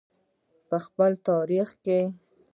په خپل تاریخ.